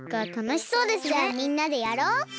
じゃあみんなでやろう！